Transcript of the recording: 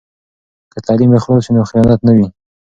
که تعلیم اخلاص وي، نو خیانت نه وي.